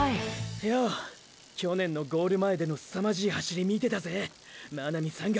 よう去年のゴール前でのすさまじい走り見てたぜ真波山岳。